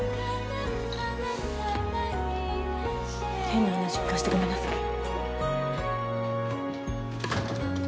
変な話聞かせてごめんなさい。